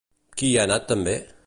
Qui hi ha anat també?